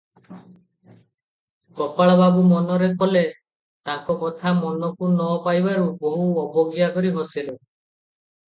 ଗୋପାଳବାବୁ ମନରେ କଲେ, ତାଙ୍କ କଥା ମନକୁ ନ ପାଇବାରୁ ବୋହୂ ଅବଜ୍ଞା କରି ହସିଲେ ।